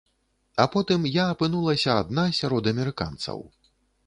А потым я апынулася адна сярод амерыканцаў.